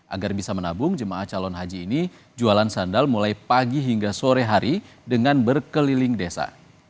agar bisa menabung jemaah calon haji ini jualan sandal mulai pagi hingga sore hari dengan berkeliling desa